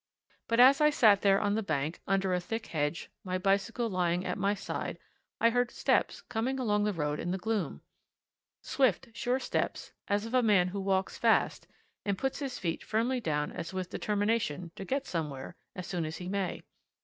But as I sat there on the bank, under a thick hedge, my bicycle lying at my side, I heard steps coming along the road in the gloom swift, sure steps, as of a man who walks fast, and puts his feet firmly down as with determination to get somewhere as soon as he may.